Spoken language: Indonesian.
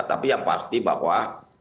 tapi yang pasti bahwa